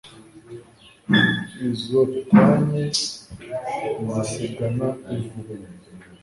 izotanye zisigana ivu